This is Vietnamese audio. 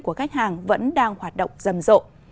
của khách hàng vẫn đang hoạt động dầm rộ